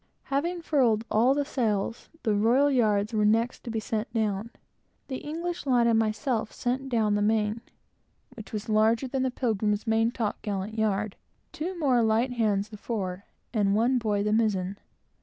Having furled all the sails, the royal yards were next to be sent down. The English lad and myself sent down the main, which was larger than the Pilgrim's main top gallant yard; two more light hands, the fore; and one boy, the mizen.